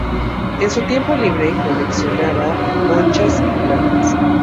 En su tiempo libre coleccionaba conchas y plantas.